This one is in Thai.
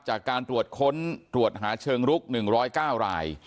จากการตรวจค้นตรวจหาเชิงลุก๑๐๙ราย